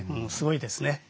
すごいですね。